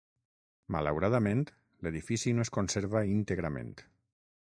Malauradament, l'edifici no es conserva íntegrament.